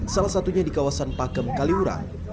salah satunya di kawasan pakem kaliura